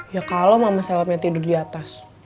ya kalo mama selepnya tidur di atas